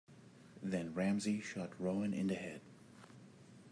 Then Ramsey shot Roan in the head.